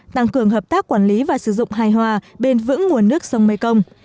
tăng cường hợp tác quản lý và sử dụng hài hòa bền vững nguồn nước sông mekong